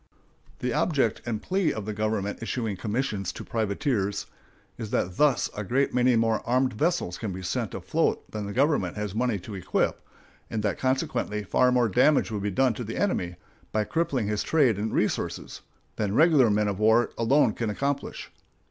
The object and plea of the government issuing commissions to privateers is that thus a great many more armed vessels can be sent afloat than the government has money to equip, and that consequently far more damage will be done to the enemy, by crippling his trade and resources, than regular men of war alone can accomplish.